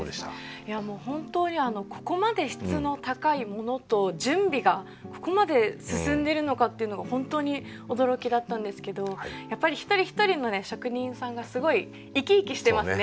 いやもう本当にここまで質の高いものと準備がここまで進んでるのかっていうのが本当に驚きだったんですけどやっぱり一人一人のね職人さんがすごい生き生きしてますね。